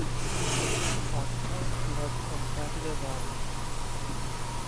Zum Ortsteil gehört die Ostseite der Saale.